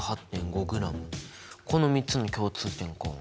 この３つの共通点か。